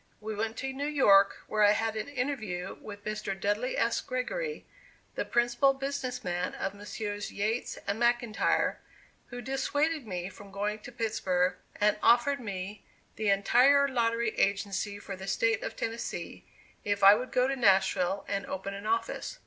We went to New York where I had an interview with Mr. Dudley S. Gregory, the principal business man of Messrs. Yates and McIntyre, who dissuaded me from going to Pittsburg, and offered me the entire lottery agency for the State of Tennessee, if I would go to Nashville and open an office.